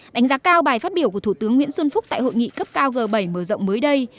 đánh giá cao bài phát biểu của thủ tướng nguyễn xuân phúc tại hội nghị cấp cao g bảy mở rộng mới đây